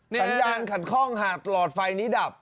สัญญาณขัดข้องหากหลอดไฟนี้ดับ